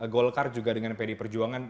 golkar juga dengan pdi perjuangan